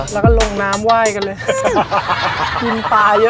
แล้วก็ลงน้ำไหว้กันเลย